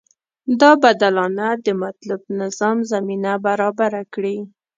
دا بدلانه د مطلوب نظام زمینه برابره کړي.